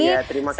iya terima kasih